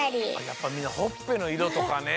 やっぱみんなほっぺのいろとかね。